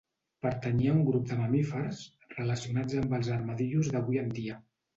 Pertanyia a un grup de mamífers relacionats amb els armadillos d'avui en dia.